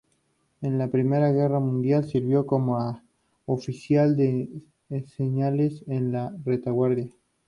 En la Primera Guerra Mundial sirvió como oficial de señales en la retaguardia.